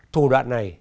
thủ đoạn này